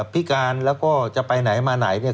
พิการแล้วก็จะไปไหนมาไหนเนี่ย